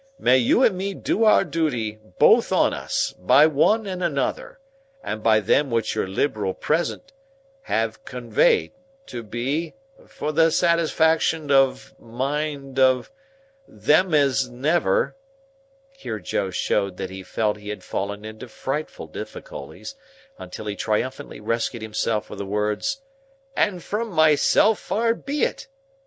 May you and me do our duty, both on us, by one and another, and by them which your liberal present—have conweyed—to be—for the satisfaction of mind of—them as never—" here Joe showed that he felt he had fallen into frightful difficulties, until he triumphantly rescued himself with the words, "and from myself far be it!"